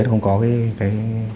không có cái